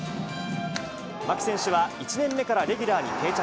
牧選手は１年目からレギュラーに定着。